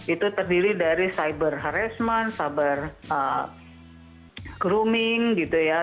itu terdiri dari cyber harassment cyber grooming gitu ya